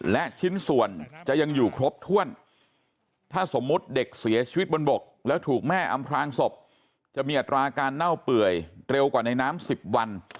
และชิ้นส่วนจะยังอยู่ครบถ้วนถ้าสมมุติเด็กเสียชีวิตบนบกแล้วถูกแม่อำพลางศพจะมีอัตราการเน่าเปื่อยเร็วกว่าในน้ำ๑๐วัน